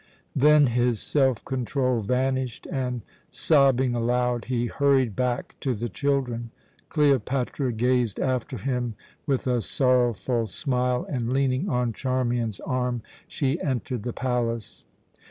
Then his self control vanished, and, sobbing aloud, he hurried back to the children. Cleopatra gazed after him with a sorrowful smile, and leaning on Charmian's arm, she entered the palace.